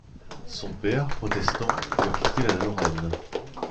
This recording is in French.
Son père, protestant, doit quitter la Lorraine.